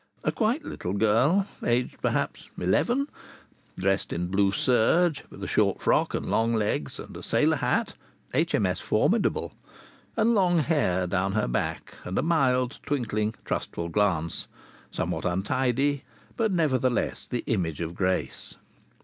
A quite little girl, aged, perhaps, eleven, dressed in blue serge, with a short frock and long legs, and a sailor hat (H.M.S. Formidable), and long hair down her back, and a mild, twinkling, trustful glance. Somewhat untidy, but nevertheless the image of grace.